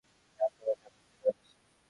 না, তোমার জন্য একটা কাজ আছে।